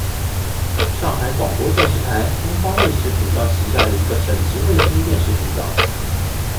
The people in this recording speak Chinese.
上海广播电视台东方卫视频道旗下的一个省级卫星电视频道。